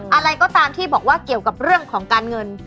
อะไรก็ตามที่บอกว่าเกี่ยวกับเรื่องของการเงิน